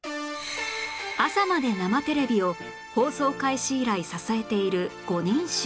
『朝まで生テレビ！』を放送開始以来支えている五人衆